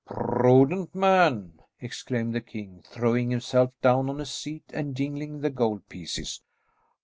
"Prudent man!" exclaimed the king, throwing himself down on a seat and jingling the gold pieces.